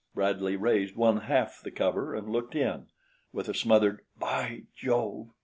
Bradley raised one half the cover and looked in. With a smothered "By Jove!"